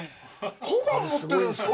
小判、持ってるんですか？